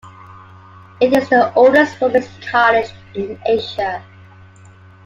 It is the oldest women's college in Asia.